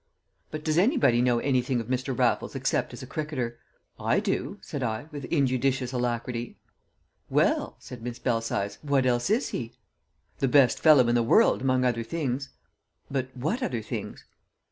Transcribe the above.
"But does anybody know anything of Mr. Raffles except as a cricketer?" "I do," said I, with injudicious alacrity. "Well," said Miss Belsize, "what else is he?" "The best fellow in the world, among other things." "But what other things?"